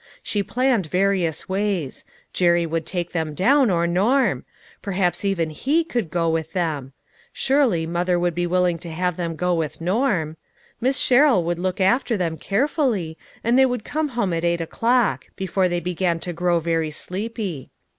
She planned various ways ; Jerry would take them down, or Norm ; per haps even he would go with them ; surely mother would be willing to have them go with Norm. Miss Sherrill would look after them carefully, and they would come home at eight o'clock ; before they began to grow very sleepy.